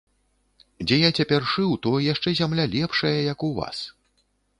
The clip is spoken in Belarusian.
Дзе я цяпер шыў, то яшчэ зямля лепшая, як у вас.